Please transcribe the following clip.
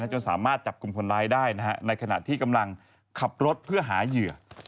จนสามารถจับกลุ่มคนร้ายได้ในขณะที่กำลังขับรถเพื่อหาเหยื่อ